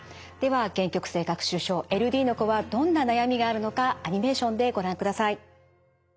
では限局性学習症ＬＤの子はどんな悩みがあるのかアニメーションでご覧ください。